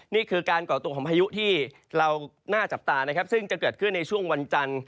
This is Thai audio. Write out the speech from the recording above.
นี่คือการก่อตัวของพายุที่เราน่าจับตานะครับซึ่งจะเกิดขึ้นในช่วงวันจันทร์